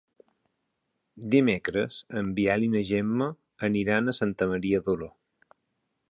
Dimecres en Biel i na Gemma iran a Santa Maria d'Oló.